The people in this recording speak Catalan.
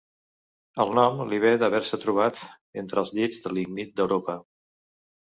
El nom li ve d'haver-se trobat entre els llits de lignit d'Europa.